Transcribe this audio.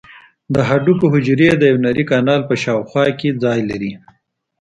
د هډوکو حجرې د یو نري کانال په شاوخوا کې ځای لري.